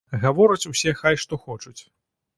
Гавораць усе хай што хочуць.